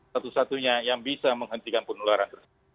satu satunya yang bisa menghentikan penularan